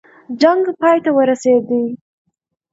جنګ پای ته ورسېدی.